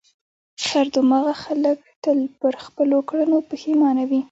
خر دماغه خلک تل پر خپلو کړنو پښېمانه وي.